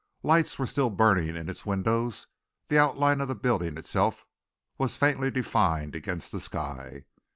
Lights were still burning from its windows; the outline of the building itself was faintly defined against the sky.